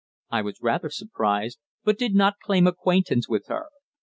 I was rather surprised, but did not claim acquaintance with her.